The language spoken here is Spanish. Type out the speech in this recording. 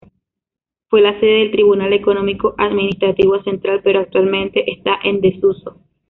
Fue la sede del Tribunal Económico Administrativo Central pero actualmente está en desuso.